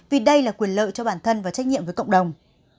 vì đây là quyền lợi cho bản thân và trách nhiệm với cộng đồng